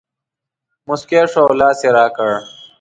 مسکی شو او لاس یې راکړ.